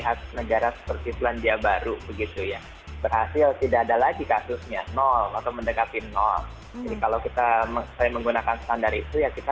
tapi bisa dikategorikan sebagai negara yang berhasil mengendalikan krisis kesehatan dan ekonomi akibat adanya pandemi covid sembilan belas